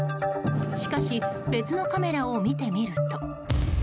しかし別のカメラを見てみると。